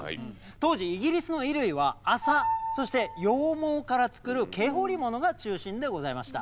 当時イギリスの衣類は麻そして羊毛から作る毛織物が中心でございました。